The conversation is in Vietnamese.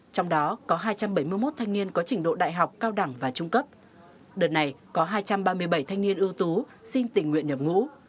trong đó có hai trăm bảy mươi một thanh niên có trình độ đại học cao đẳng và trung cấp đợt này có hai trăm ba mươi bảy thanh niên ưu tú xin tình nguyện nhập ngũ